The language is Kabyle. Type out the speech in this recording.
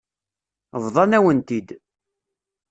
Bḍan-awen-t-id.